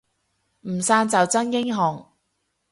唔散就真英雄